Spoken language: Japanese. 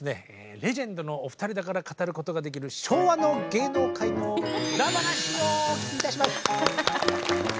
レジェンドのお二人だから語ることができる昭和の芸能界の裏話をお聞きいたします。